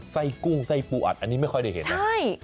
กุ้งไส้ปูอัดอันนี้ไม่ค่อยได้เห็นนะ